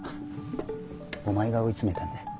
お前が追い詰めたんだ。